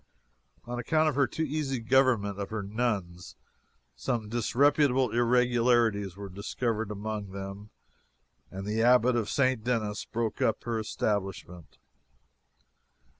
On account of her too easy government of her nuns, some disreputable irregularities were discovered among them, and the Abbot of St. Denis broke up her establishment.